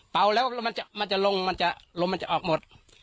ป่ามันจะลงลมออกหมด